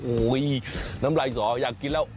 โอ๊ยน้ำไรสออยากกินแล้ว